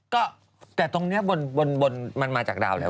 ก็แต่ตรงนี้บนมันมาจากดาวแล้ว